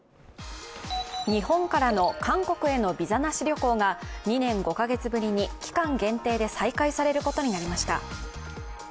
日本からの韓国へのビザなし旅行が２年５カ月ぶりに、期間限定で再開されることになりました。